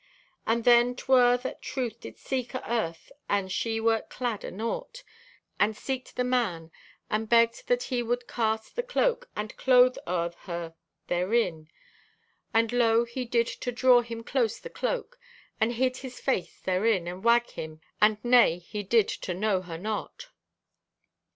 "And then 'twer that Truth did seek o' Earth, and she wert clad o' naught, and seeked the man, and begged that he would cast the cloak and clothe o' her therein. And lo, he did to draw him close the cloak, and hid his face therein, and wag him 'Nay,' he did to know her not.